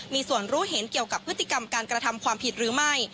มีส่วนรู้เห็นเกี่ยวกับพฤติกรรมการกระทำความผิดหรือไม่